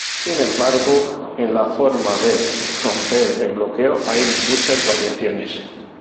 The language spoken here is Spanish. Sin embargo, en la forma de romper el bloqueo hay muchas variaciones.